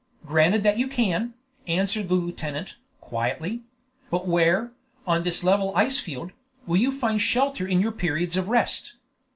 "Granted that you can," answered the lieutenant, quietly; "but where, on this level ice field, will you find shelter in your periods of rest?